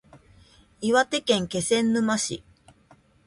岩手県気仙沼市